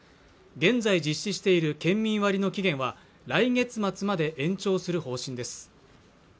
現在実施している県民割の期限は来月末まで延長する方針です